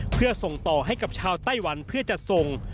เพื่อส่งต่อให้กับชาวไต้หวันเพื่อจัดส่ง